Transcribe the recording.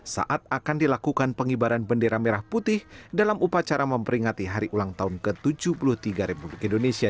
saat akan dilakukan pengibaran bendera merah putih dalam upacara memperingati hari ulang tahun ke tujuh puluh tiga republik indonesia